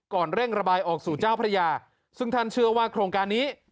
เร่งระบายออกสู่เจ้าพระยาซึ่งท่านเชื่อว่าโครงการนี้